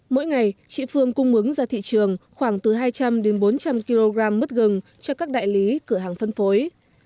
mỗi ngày chị phương cung mứng ra thị trường khoảng từ hai trăm linh đến bốn trăm linh kg mứt gừng cho các đại lý cửa hàng phân phối